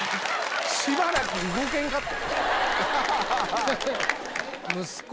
しばらく動けんかった。